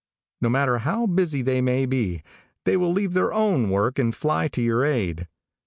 No matter how busy they may be, they will leave their own work and fly to your aid.